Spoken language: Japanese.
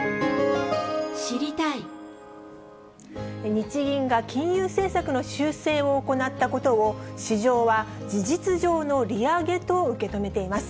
日銀が金融政策の修正を行ったことを、市場は事実上の利上げと受け止めています。